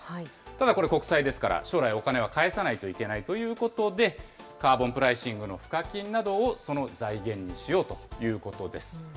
ただ、これ国債ですから、将来、お金は返さないといけないということで、カーボンプライシングの賦課金などをその財源にしようということです。